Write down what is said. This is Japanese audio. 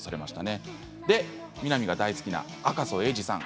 南が大好きな赤楚衛二さん。